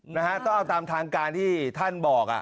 นะฮะต้องเอาตามทางการที่ท่านบอก